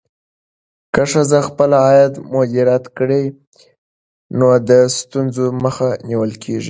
که ښځه خپل عاید مدیریت کړي، نو د ستونزو مخه نیول کېږي.